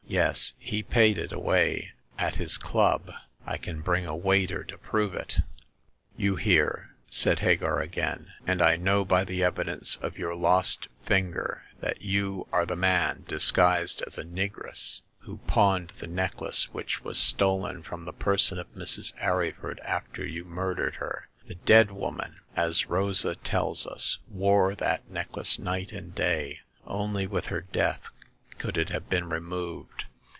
Yes, he paid it away at his club : I can bring a waiter to prove it." You hear," said Hagar again ;" and I know by the evidence of your lost finger that you are the man, disguised as a negress, who pawned the The Second Customer. 8 c necklace which was stolen from the person of Mrs. Arryford, after you murdered her. The dead woman, as Rosa tells us, wore that necklace night and day. Only with her death could it have been removed.